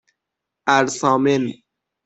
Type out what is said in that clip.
اَرسامِن